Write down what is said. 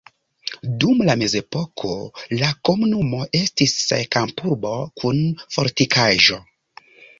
Dum la mezepoko la komunumo estis kampurbo kun fortikaĵo.